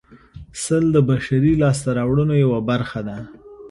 سل د بشري لاسته راوړنو یوه برخه ده